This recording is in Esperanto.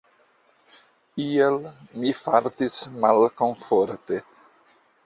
Ial mi fartis malkomforte.